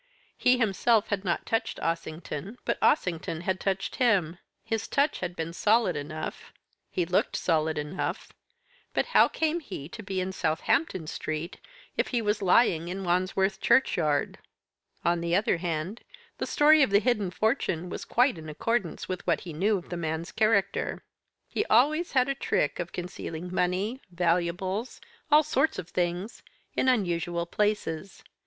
He himself had not touched Ossington, but Ossington had touched him. His touch had been solid enough, he looked solid enough, but how came he to be in Southampton Street if he was lying in Wandsworth Churchyard? On the other hand, the story of the hidden fortune was quite in accordance with what he knew of the man's character. He always had a trick of concealing money, valuables, all sorts of things, in unusual places.